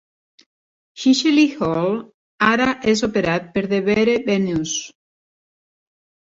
Chicheley Hall ara és operat per DeVere Venues.